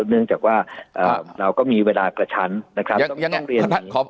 เนื่องจากว่าเราก็มีเวลากระชั้นนะครับ